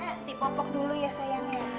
eh di popok dulu ya sayang ya